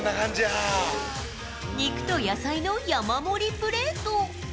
肉と野菜の山盛りプレート。